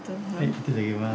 いただきます。